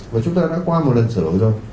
và chúng ta đã qua một lần sửa đổi rồi